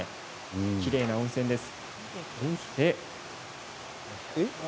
きれいな温泉です。